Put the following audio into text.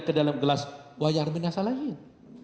ke dalam gelas wain mirna salihin